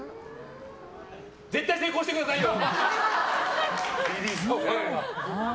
絶対成功してくださいよ！